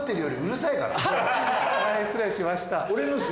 大変失礼しました。